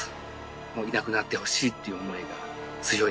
いなくなってほしいっていう思いが強いです。